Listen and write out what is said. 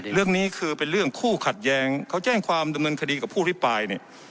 เรื่องนี้คือเป็นเรื่องคู่ขัดแย้งเขาแจ้งความดำเนินคดีกับผู้อภิปรายเนี่ย